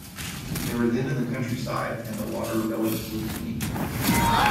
They were then in the countryside, and the water relatively clean.